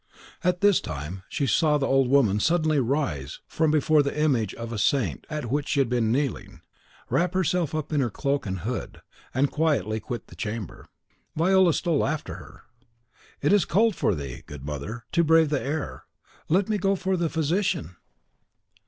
At this time she saw the old woman suddenly rise from before the image of the saint at which she had been kneeling, wrap herself in her cloak and hood, and quietly quit the chamber. Viola stole after her. "It is cold for thee, good mother, to brave the air; let me go for the physician?"